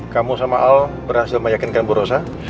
kamu sama al berhasil meyakinkan puroh sa